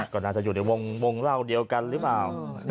ก็น่าจะอยู่ในวงเล่าเดียวกันหรือเปล่า